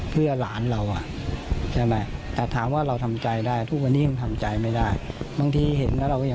ครอบครัวไม่ได้อาฆาตแต่มองว่ามันช้าเกินไปแล้วที่จะมาแสดงความรู้สึกในตอนนี้